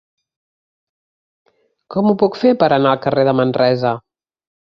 Com ho puc fer per anar al carrer de Manresa?